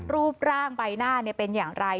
รูปร่างใบหน้าเป็นอย่างไร